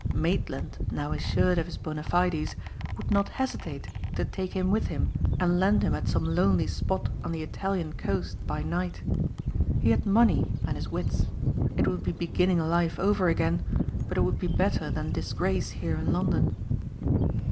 Maitland now assured of his bona fides would not hesitate to take him with him and land him at some lonely spot on the Italian coast by night. He had money and his wits. It would be beginning life over again but it would be better than disgrace here in London.